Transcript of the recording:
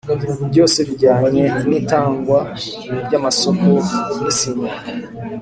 Byose bijyanye n itangwa ry amasoko n isinywa